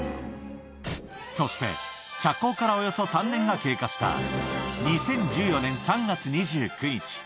そして、着工からおよそ３年が経過した２０１４年３月２９日。